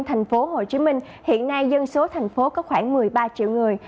thành phố hồ chí minh hiện nay dân số thành phố có khoảng một mươi ba triệu người